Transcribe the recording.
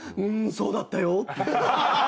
そうだったよ」って。